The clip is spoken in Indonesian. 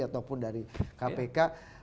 ataupun dari kpk